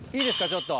ちょっと。